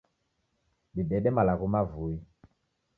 Didede malagho mavui.